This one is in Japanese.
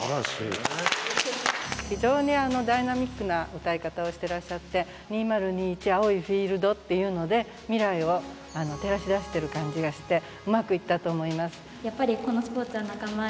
非常にダイナミックなうたい方をしてらっしゃって「２０２１青いフィールド」っていうので未来を照らし出してる感じがしてうまくいったと思います。